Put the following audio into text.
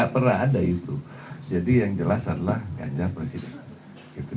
pernah ada itu jadi yang jelas adalah ganjar presiden